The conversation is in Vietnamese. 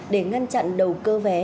để ngăn chặn đầu cơ vé